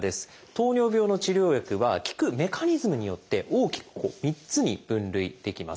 糖尿病の治療薬は効くメカニズムによって大きく３つに分類できます。